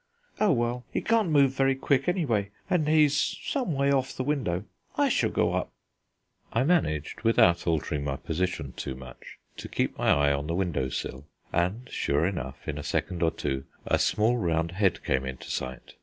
"Oh, well, he can't move very quick, anyway, and he's some way off the window. I shall go up." I managed, without altering my position too much, to keep my eye on the window sill, and, sure enough, in a second or two a small round head came into sight.